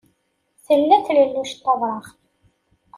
Tella tlelluct tawraɣt.